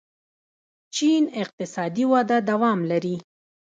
چین اقتصادي وده دوام لري.